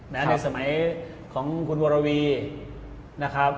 ในสมัยของคุณวรวีนะครับ